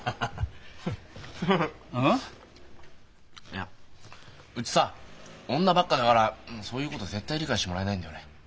いやうちさ女ばっかだからそういうこと絶対理解してもらえないんだよね。